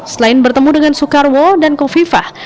selain bertemu dengan soekarwo dan kofifah